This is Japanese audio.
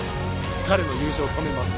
彼の優勝止めます。